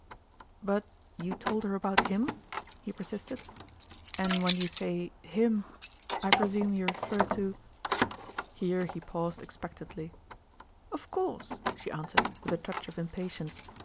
" But you told her about ' him '?" he per sisted ;" and when you say ' him,' I presume you refer to "? Here lie paused expectantly. " Of course !" she answered, with a touch of impatience.